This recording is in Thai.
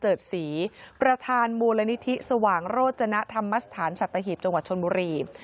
ศรีประธานมูลนิธิสว่างโรจนธรรมสถานสัตหีบจังหวัดชนบุรี